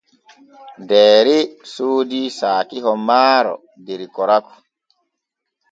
Deere soodi saakiho maaro der Koraku.